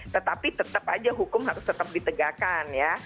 tetapi tetap aja hukum harus tetap ditegakkan ya